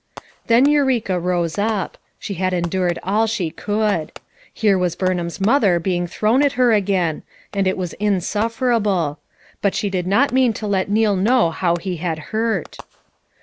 Then Eureka rose up; she had endured all she could; here was Burnham's mother being thrown at her again, and it was insufferable; but she did not mean to let Neal know how he had hurt.